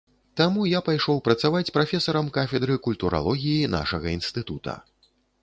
Таму я пайшоў працаваць прафесарам кафедры культуралогіі нашага інстытута.